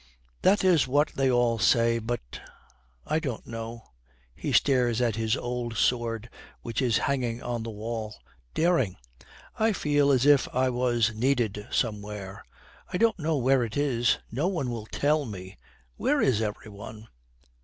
'That is what they all say, but I don't know.' He stares at his old sword which is hanging on the wall. 'Dering, I feel as if I was needed somewhere. I don't know where it is. No one will tell me. Where is every one?'